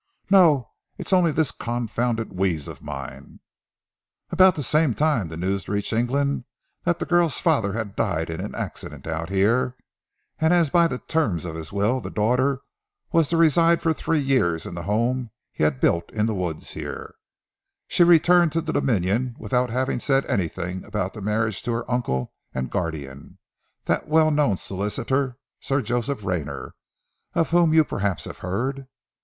"No! It's only this confounded wheeze of mine!" "About the same time news reached England that the girl's father had died in an accident out here, and as by the terms of his will the daughter was to reside for three years in the home he had built in the woods here, she returned to the Dominion without having said anything about the marriage to her uncle and guardian, the well known solicitor Sir Joseph Rayner, of whom you perhaps have heard?"